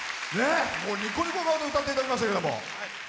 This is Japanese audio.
ニコニコ顔で歌っていただきましたけど。